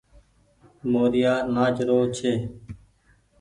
موريآ نآچ رو ڇي۔